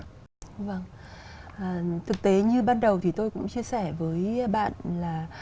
vâng thực tế như ban đầu thì tôi cũng chia sẻ với bạn là